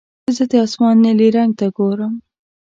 زه د اسمان نیلي رنګ ته ګورم.